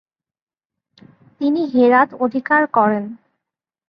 তিনি হেরাত অধিকার করেন।